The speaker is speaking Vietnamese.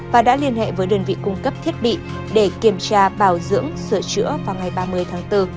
và đã liên hệ với đơn vị cung cấp thiết bị để kiểm tra bảo dưỡng sửa chữa vào ngày ba mươi tháng bốn